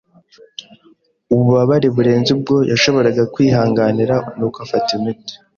Ububabare burenze ubwo yashoboraga kwihanganira, nuko afata imiti.